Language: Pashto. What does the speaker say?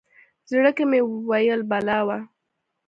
زړه کې مې ویل بلا وه.